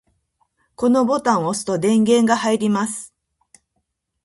このボタンを押すと電源が入ります。